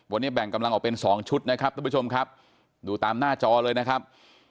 วันนี้แบ่งกำลังออกเป็นสองชุดนะครับทุกผู้ชมครับดูตามหน้าจอเลยนะครับ